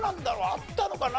あったのかな？